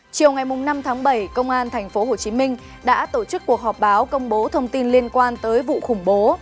chiều ngày năm tháng bảy công an tp hcm đã tổ chức cuộc họp báo công bố thông tin liên quan tới vụ khủng bố